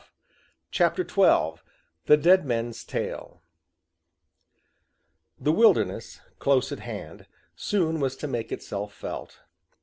] CHAPTER XII THE DEAD MEN'S TALE The wilderness, close at hand, soon was to make itself felt.